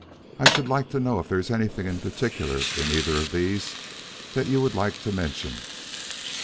I should like to know if there is anything particular in either of these that you would like to mention."